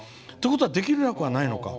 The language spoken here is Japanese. できなくはないのか。